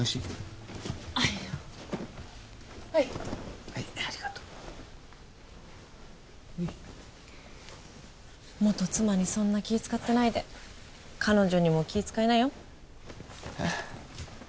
はいはいありがとうはい元妻にそんな気使ってないで彼女にも気使いなよえっ？